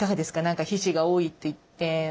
何か皮脂が多いといって。